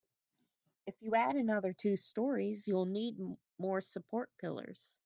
If you add another two storeys, you'll need more support pillars.